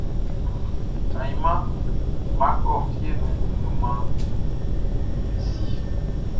Ayinʼman nʼma kɔ fie nu juman ni mi si.